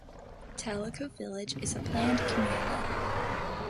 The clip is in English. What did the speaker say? Tellico Village is a planned community.